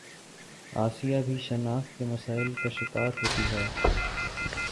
آسیہ بھی شناخت کے مسائل کا شکار ہوتی ہے